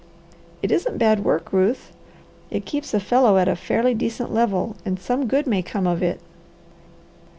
It isn't bad work, Ruth. It keeps a fellow at a fairly decent level, and some good may come of it.